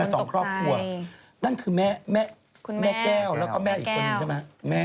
สองครอบครัวนั่นคือแม่แก้วแล้วก็แม่อีกคนนึงใช่ไหม